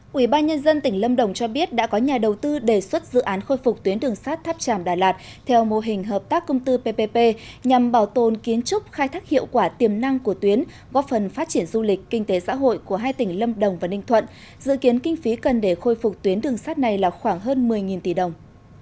quỹ ba nhân dân tỉnh lâm đồng cho biết đã có nhà đầu tư đề xuất dự án khôi phục tuyến đường sát tháp tràm đà lạt theo mô hình hợp tác công tư ppp nhằm bảo tồn kiến trúc khai thác hiệu quả tiềm năng của tuyến góp phần phát triển du lịch kinh tế xã hội của hai tỉnh lâm đồng và ninh thuận dự kiến kinh phí cần để khôi phục tuyến đường sát này là khoảng hơn một mươi tỷ đồng